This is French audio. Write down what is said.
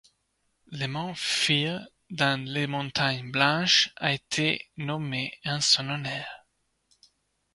Le mont Field dans les montagnes Blanches a été nommé en son honneur.